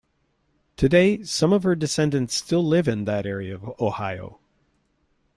Today, some of her descendants still live in that area of Ohio.